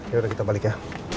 yaudah kita balik ya